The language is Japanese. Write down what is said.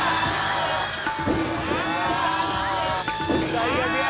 最悪や！